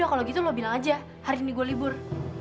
ya kalau gitu lo bilang aja hari ini gue libur